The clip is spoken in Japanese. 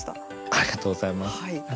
ありがとうございます。